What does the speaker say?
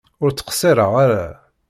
Ur ttqeṣṣireɣ ara!